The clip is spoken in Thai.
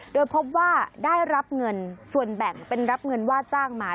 โดยพบว่าได้รับเงินส่วนแบ่งเป็นรับเงินว่าจ้างมา